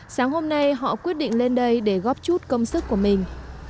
sáng hôm nay họ quyết định lên đây để góp chút công sức của mình